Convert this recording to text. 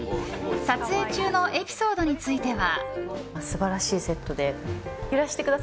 撮影中のエピソードについては。